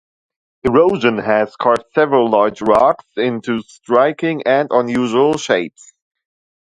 Erosion has carved several large rocks into striking and unusual shapes.